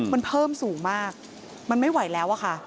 มันเพิ่มสูงมากมันไม่ไหวแล้วอะค่ะ